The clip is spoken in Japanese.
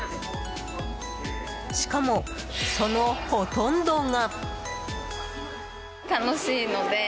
しかも、そのほとんどが。